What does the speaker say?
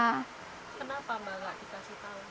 kenapa tidak diberitahu